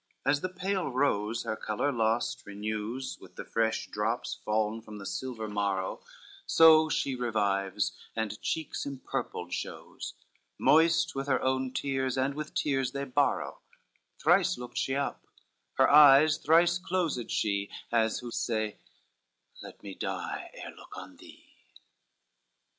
As the pale rose her color lost renews With the fresh drops fallen from the silver morrow, So she revives, and cheeks empurpled shows Moist with their own tears and with tears they borrow; Thrice looked she up, her eyes thrice closed she; As who say, "Let me die, ere look on thee."